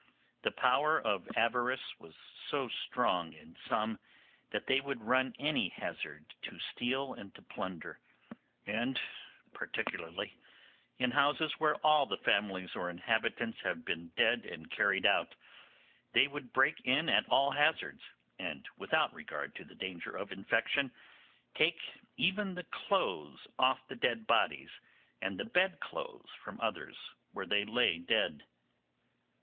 The power of avarice was so strong in some that they would run any hazard to steal and to plunder; and particularly in houses where all the families or inhabitants have been dead and carried out, they would break in at all hazards, and without regard to the danger of infection, take even the clothes off the dead bodies and the bed clothes from others where they lay dead.